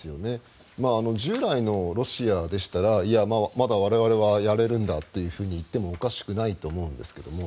従来のロシアでしたらいや、まだ我々はやれるんだというふうに言ってもおかしくないと思うんですけども。